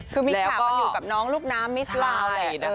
คือมีข่าวกันอยู่กับน้องลูกน้ำมิสลาวแหละ